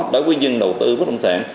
đối với dân đầu tư bất động sản